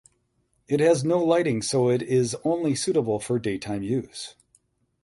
It has no lighting so it is only suitable for daytime use.